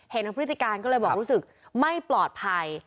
เห็นทั้งพฤติการก็เลยบอกรู้สึกไม่ปลอดภัย